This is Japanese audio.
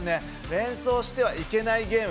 連想してはいけないゲーム。